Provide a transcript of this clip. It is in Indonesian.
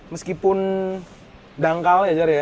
meskipun dangkal ya jari ya